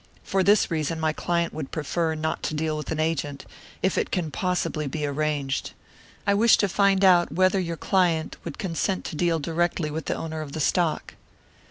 For this reason my client would prefer not to deal with an agent, if it can possibly be arranged. I wish to find out whether your client would consent to deal directly with the owner of the stock."